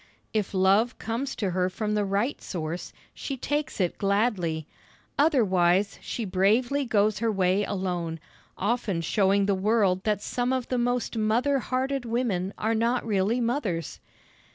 If love comes to her from the right source, she takes it gladly; otherwise she bravely goes her way alone, often showing the world that some of the most mother hearted women are not really mothers.